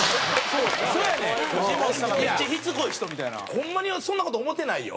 ホンマにそんな事思ってないよ。